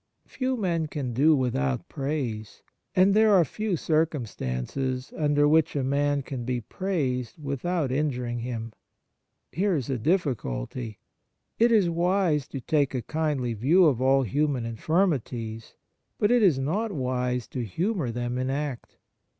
Few men can do without praise, and there are few circumstances under which a man can be praised without injuring him. Here is a difficulty. It is wise to take a kindly view of all human infirmities, but it is not wise to humour them in act.